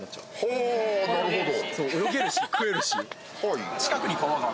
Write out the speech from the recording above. はぁなるほど。